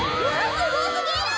すごすぎる！